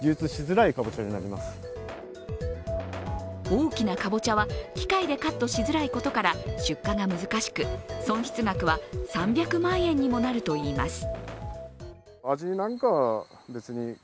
大きなかぼちゃは、機会でカットしづらいことから出荷が難しく損失額は３００万円にもなるといいます。